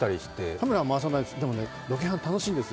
カメラは回さないです、でもロケハン楽しいです。